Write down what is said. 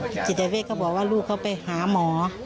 จิตเวทก็บอกว่าลูกเขาไปหาหมอ